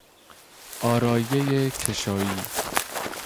آرایهی کشایی